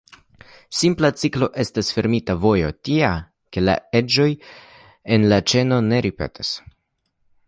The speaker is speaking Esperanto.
Simpla ciklo estas fermita vojo tia, ke la eĝoj en la ĉeno ne ripetas.